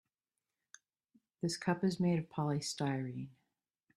This cup is made of polystyrene.